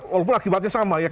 walaupun akibatnya sama ya